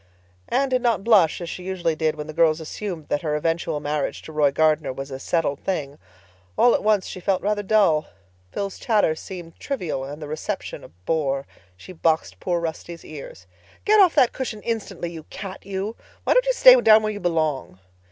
Anne did not blush, as she usually did when the girls assumed that her eventual marriage to Roy Gardner was a settled thing. All at once she felt rather dull. Phil's chatter seemed trivial and the reception a bore. She boxed poor Rusty's ears. "Get off that cushion instantly, you cat, you! Why don't you stay down where you belong?"